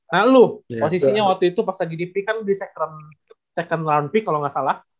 nah lu posisinya waktu itu pas lagi di pik kan di second round pik kalau gak salah